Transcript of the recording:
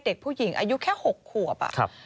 เด็กผู้หญิงอายุแค่๖ขวบ